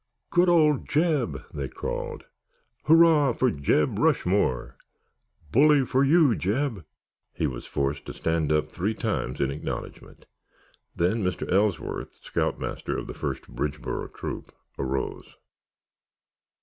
"Good old Jeb!" they called. "Hurrah for Jeb Rushmore!" "Bully for you, Jeb!" He was forced to stand up three times in acknowledgement. Then Mr. Ellsworth, scoutmaster of the First Bridgeboro Troop, arose.